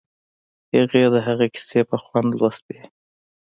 هغې د هغه کیسې په خوند لوستې